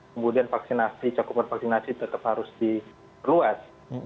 kemudian vaksinasi cakupan vaksinasi tetap harus diperluas